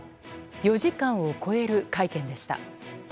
４時間を超える会見でした。